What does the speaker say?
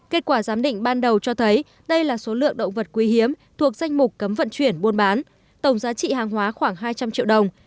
kết quả giám định ban đầu cho thấy đây là số lượng động vật quý hiếm thuộc danh mục cấm vận chuyển buôn bán tổng giá trị hàng hóa khoảng hai trăm linh triệu đồng